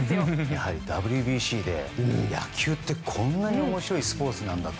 やはりＷＢＣで野球ってこんなに面白いスポーツなんだって